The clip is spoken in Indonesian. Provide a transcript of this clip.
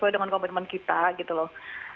sesuai dengan komitmen kita gitu loh